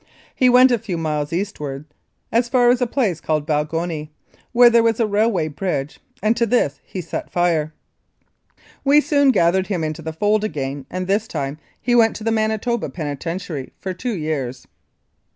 He went a few miles eastward, as far as a place called Balgonie, where there was a railway bridge, and to this he set fire. We soon gathered him into the fold again, and this time he went to the Manitoba Penitentiary for two years.